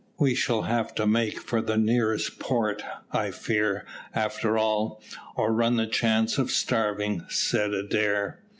"We shall have to make for the nearest port, I fear, after all, or run the chance of starving," said Adair.